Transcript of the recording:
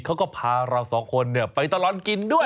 เขาก็พาเราสองคนไปตลอดกินด้วย